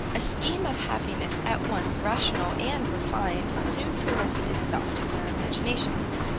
A scheme of happiness at once rational and refined soon presented itself to her imagination.